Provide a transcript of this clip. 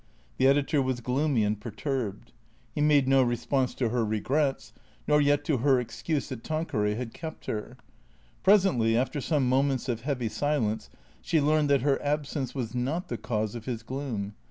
The editor was gloomy and perturbed. He made no re sponse to her regrets, nor yet to her excuse that Tanqueray had kept her. Presently, after some moments of heavy silence, she learned that her absence was not the cause of his gloom.